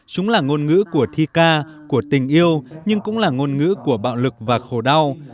chúng là ngôn ngữ của thi ca của tình yêu nhưng cũng là ngôn ngữ của bạo lực và khổ đau